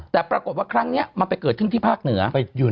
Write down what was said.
แต่ปรากฏว่าครั้งนี้มันไปเกิดขึ้นที่ภาคเหนือ